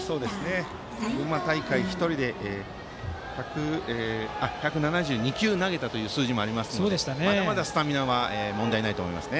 群馬大会、１人で１７２球投げたという数字もありますのでまだまだスタミナは問題ないと思います。